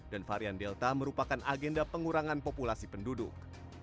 dan varian delta merupakan agenda pengurangan populasi penduduk